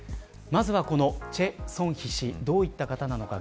まずは、この崔善姫氏どういった方なのか。